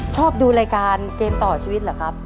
ชอบดูรายการเกมต่อชีวิตเหรอครับ